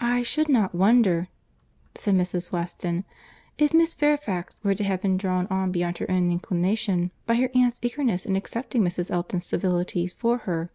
"I should not wonder," said Mrs. Weston, "if Miss Fairfax were to have been drawn on beyond her own inclination, by her aunt's eagerness in accepting Mrs. Elton's civilities for her.